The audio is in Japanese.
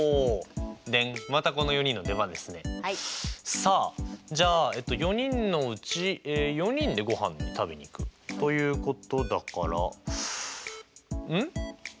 さあじゃあ４人のうち４人でごはんを食べに行くということだからん？